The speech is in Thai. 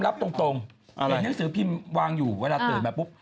เห็นหน้าสือพิมพ์วางอยู่เวลาเติดแบบปุ๊บ